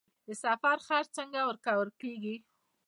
د سفر خرڅ څنګه ورکول کیږي؟